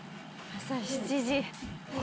朝７時。